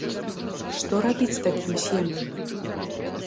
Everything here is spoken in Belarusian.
Што рабіць такім сем'ям?